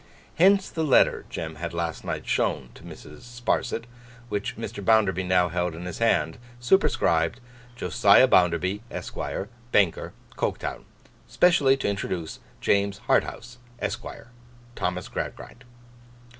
Hence the letter Jem had last night shown to Mrs. Sparsit, which Mr. Bounderby now held in his hand; superscribed, 'Josiah Bounderby, Esquire, Banker, Coketown. Specially to introduce James Harthouse, Esquire. Thomas Gradgrind.